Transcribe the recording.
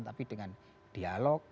tapi dengan dialog